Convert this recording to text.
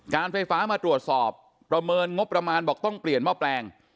การไฟฟ้ามาตรวจสอบประเมินงบประมาณบอกต้องเปลี่ยนหม้อแปลง